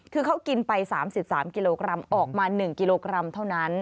คือเขากินไป๓๓กิโลกรัมออกมา๑กิโลกรัมเท่านั้น